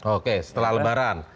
oke setelah lebaran